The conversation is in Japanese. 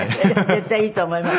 絶対いいと思いますよ。